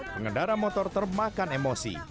pengendara motor termakan emosi